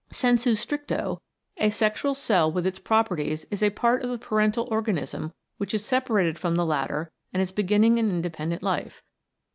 Sensu stricto a sexual cell with its properties is a part of the parental organism which is separated from the latter and is beginning an independent life.